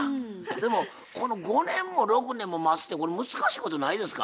でもこの５年も６年も待つってこれ難しいことないですか？